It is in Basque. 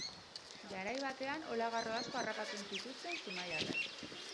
Garai batean olagarro asko harrapatzen zituzten zumaiarrek.